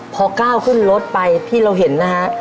พอก้าวขึ้นรถไปที่เราเห็นนะฮะ